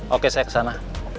oke saya kesana